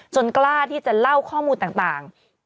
กล้าที่จะเล่าข้อมูลต่าง